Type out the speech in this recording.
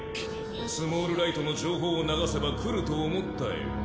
スモールライトの情報を流せば来ると思ったよ。